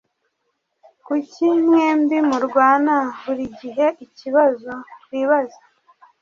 Kuki mwembi murwana buri giheikibazo twibaza